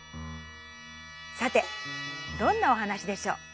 さてどんなおはなしでしょう？